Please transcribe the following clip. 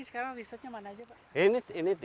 sebenarnya yang bapak miliki sekarang resortnya mana saja pak